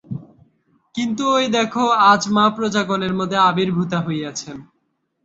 কিন্তু ঐ দেখ, আজ মা প্রজাগণের মধ্যে আবির্ভূতা হইয়াছেন।